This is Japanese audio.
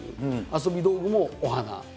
遊び道具もお花。